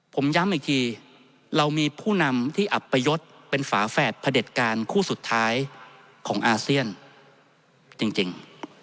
ผมย้ำอีกทีเรามีผู้นำที่อัปยศเป็นฝาแฝดพระเด็จการคู่สุดท้ายของอาเซียนจริง